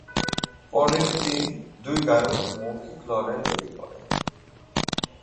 পরের দিন, দুই গায়ক মৌখিক লড়াইয়ে জড়িয়ে পড়ে।